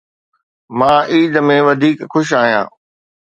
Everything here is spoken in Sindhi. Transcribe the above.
مان عيد ۾ وڌيڪ خوش آهيان.